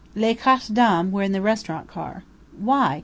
Les quatres dames were in the restaurant car. Why?